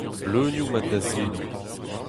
Bleunioù mat da zebriñ.